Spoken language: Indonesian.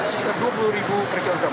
sekitar dua puluh per kilogram